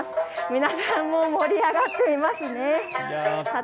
皆さん、盛り上がっていますね。